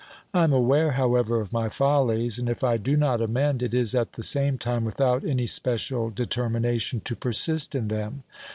I am aware, however, of my follies, and if I do not amend, it is at the same time without any special determination to persist in them.